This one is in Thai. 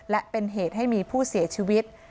และเป็นเหตุให้มีผู้เสียชีวิต